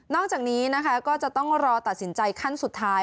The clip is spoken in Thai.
จากนี้นะคะก็จะต้องรอตัดสินใจขั้นสุดท้าย